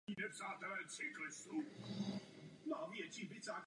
V pozadí byla budova Admirality.